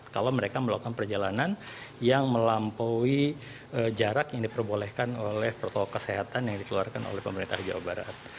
kalau mereka melakukan perjalanan yang melampaui jarak yang diperbolehkan oleh protokol kesehatan yang dikeluarkan oleh pemerintah jawa barat